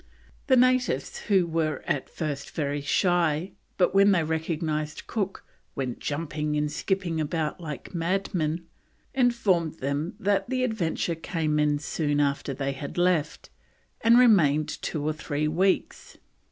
The natives, who were at first very shy, but when they recognised Cook "went jumping and skipping about like madmen," informed them that the Adventure came in soon after they had left, and remained two or three weeks.